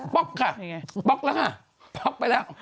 ค่ะป๊อกแล้วค่ะป๊อกไปแล้ว